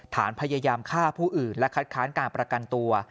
ฐานพยายามฆ่าผู้อื่นและคัดค้านการประกันตัว